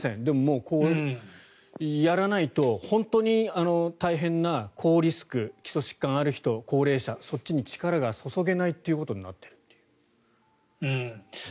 でも、やらないと本当に大変な高リスク、基礎疾患ある人高齢者、そっちに力がそそげないということになっているという。